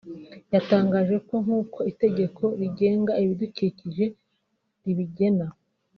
yatangaje ko nk’uko itegeko rigenga ibidukikije ribigena